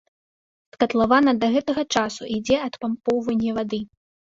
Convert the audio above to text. З катлавана да гэтага часу ідзе адпампоўванне вады.